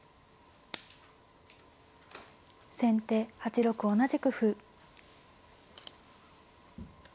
先手８六同じく歩。